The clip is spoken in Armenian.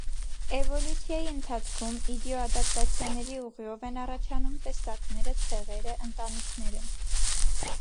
Էվոլյուցիայի ընթացքում իդիոադապտացիաների ուղիով են առաջանում տեսակները, ցեղերը, ընտանիքները։